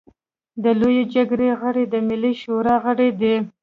د لويې جرګې غړي د ملي شورا غړي دي.